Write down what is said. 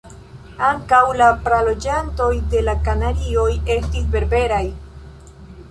Ankaŭ la praloĝantoj de la Kanarioj estis berberaj.